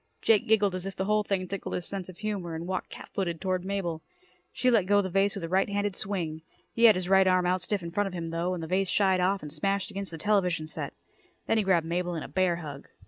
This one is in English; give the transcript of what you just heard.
Jake giggled as if the whole thing tickled his sense of humor, and walked cat footed toward Mabel. She let go the vase with a right handed swing. He had his right arm out stiff in front of him, though, and the vase shied off and smashed against the television set. Then he grabbed Mabel in a bear hug.